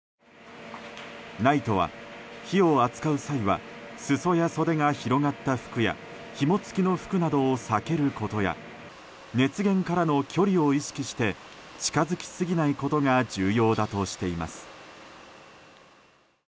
ＮＩＴＥは火を扱う際は裾や袖が広がった服やひも付きなどの服を避けることや熱源からの距離を意識して近づきすぎないことが重要だとしています。